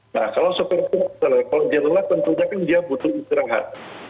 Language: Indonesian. nah kalau sopir trump kalau dia lelah tentunya kan dia butuh istirahat